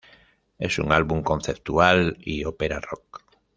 Es un álbum conceptual y ópera rock.